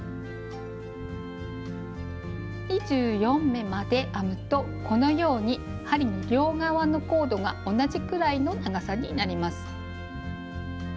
２４目まで編むとこのように針の両側のコードが同じくらいの長さになります。